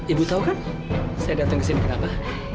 ibu tahu kan saya datang ke sini kenapa